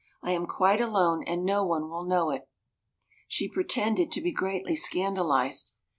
I am quite alone and no one will know it." She pretended to be greatly scandalized.